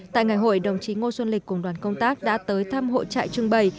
tại ngày hội đồng chí ngô xuân lịch cùng đoàn công tác đã tới thăm hộ trại trưng bày